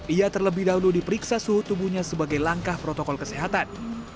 ia terlebih dahulu diperiksa suhu tubuhnya sebagai langkah protokol kesehatan